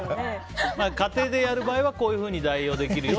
家庭でやる場合はこういうふうに代用できるよ